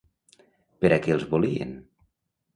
Per a què els volien?